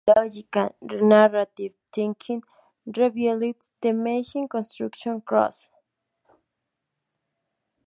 Logical-narrative thinking revealed: The message construction cross.